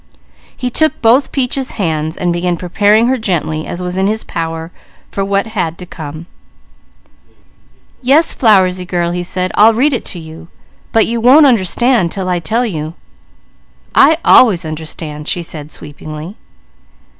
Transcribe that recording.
He took both Peaches' hands, and began preparing her gently as was in his power for what had to come. "Yes, Flowersy girl," he said, "I'll read it to you, but you won't understand 'til I tell you " "I always understand," she said sweepingly.